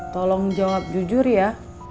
tolong jawab jujur ya